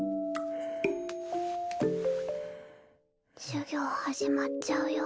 授業始まっちゃうよ